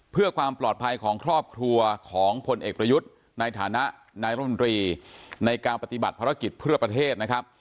เพื่อความปลอดภัยของครอบครัวของพลเอกประยุทธ์ในฐานะนายรมนตรีในการปฏิบัติภารกิจเพื่อประเทศนะครับ